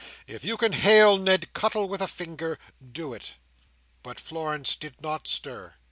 "If you can hail Ned Cuttle with a finger, do it!" But Florence did not stir.